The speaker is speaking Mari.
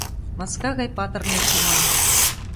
Маска гай патырле шӱман.